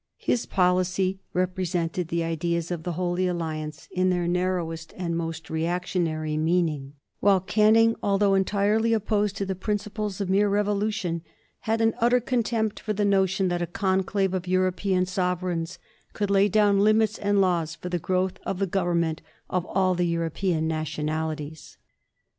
His policy represented the ideas of the Holy Alliance in their narrowest and most reactionary meaning; while Canning, although entirely opposed to the principles of mere revolution, had an utter contempt for the notion that a conclave of European sovereigns could lay down limits and laws for the growth and the government of all the European nationalities.